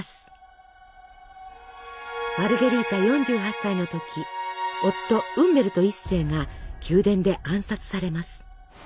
マルゲリータ４８歳の時夫ウンベルト１世が宮殿で暗殺されます。